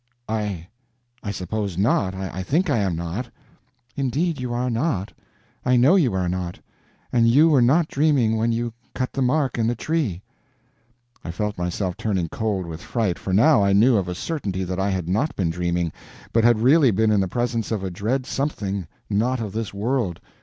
"I—I suppose not. I think I am not." "Indeed you are not. I know you are not. And yow were not dreaming when you cut the mark in the tree." I felt myself turning cold with fright, for now I knew of a certainty that I had not been dreaming, but had really been in the presence of a dread something not of this world.